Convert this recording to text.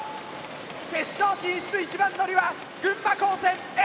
決勝進出一番乗りは群馬高専Ａ！